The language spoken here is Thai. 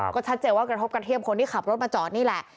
ก็ชัดเจนว่ากระทบกระเทียบคนที่ขับรถมาจอดนี่แหละ